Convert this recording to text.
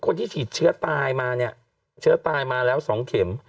คนที่ฉีดเชื้อตายมาเนี่ยเชื้อตายมาแล้ว๒เข็ม